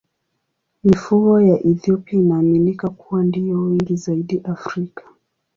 Mifugo ya Ethiopia inaaminika kuwa ndiyo wengi zaidi Afrika.